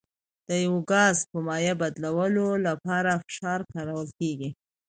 د یو ګاز په مایع بدلولو لپاره فشار کارول کیږي.